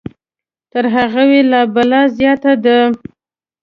تر هغوی لا بلا زیاته ده.